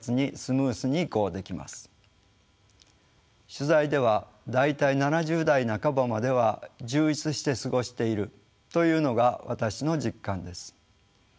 取材では大体７０代半ばまでは充実して過ごしているというのが私の実感です。